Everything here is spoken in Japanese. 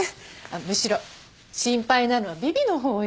むしろ心配なのはビビのほうよ。